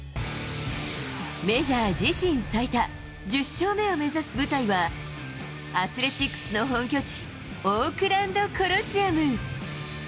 メジャー自身最多１０勝目を目指す舞台は、アスレチックスの本拠地、オークランド・コロシアム。